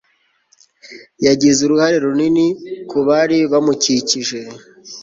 Yagize uruhare runini kubari bamukikije